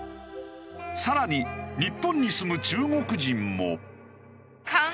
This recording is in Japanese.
さらに日本に住む中国人も。